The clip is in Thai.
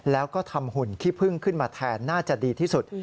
แล้วก็ทำหุ่นขี้พึ่งขึ้นมาแทนน่าจะดีที่สุด